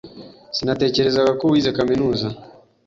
Sinatekerezaga ko wize kaminuza.